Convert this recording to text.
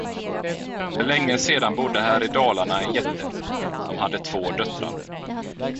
För längre sedan bodde här i Dalarna en jätte, som hade två döttrar.